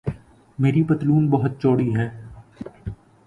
میری پتلون بہت چھوٹی ہے